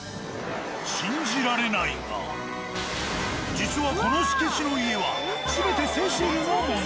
信じられないが実はこの敷地の家は全てセシルのもの。